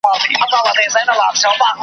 د طبیب پر پور به څنګه منکرېږم .